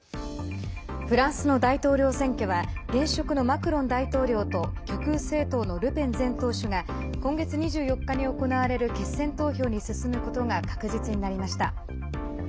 フランスの大統領選挙は現職のマクロン大統領と極右政党のルペン前党首が今月２４日に行われる決選投票に進むことが確実になりました。